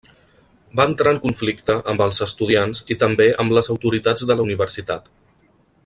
Va entrar en conflicte amb els estudiants i també amb les autoritats de la Universitat.